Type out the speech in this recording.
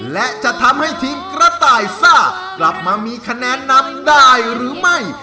และจะทำให้ทีมกระต่ายซ่ากลับมามีคะแนนนำได้หรือไม่